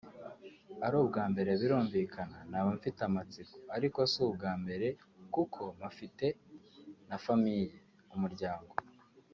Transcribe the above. ari ubwa mbere birumvikana naba mfite amatsiko ariko si ubwa mbere kuko mpafite na Family (umuryango)